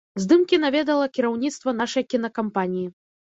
Здымкі наведала кіраўніцтва нашай кінакампаніі.